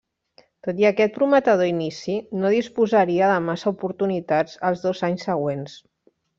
Tot i aquest prometedor inici, no disposaria de massa oportunitats els dos anys següents.